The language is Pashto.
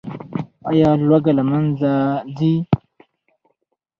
آیا لوږه له منځه ځي؟